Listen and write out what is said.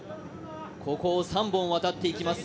ここを３本渡っていきます。